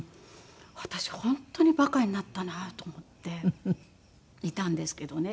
私本当にバカになったなと思っていたんですけどね。